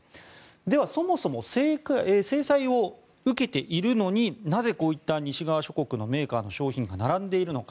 では、そもそも制裁を受けているのになぜ、こういった西側諸国のメーカーの商品が並んでいるのか。